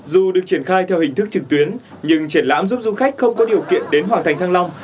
dù được triển khai theo hình thức trực tuyến nhưng triển lãm giúp du khách không có điều kiện đến hoàng thành thăng long